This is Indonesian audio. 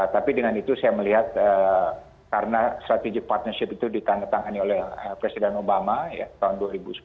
tapi dengan itu saya melihat karena strategic partnership itu ditandatangani oleh presiden obama tahun dua ribu sepuluh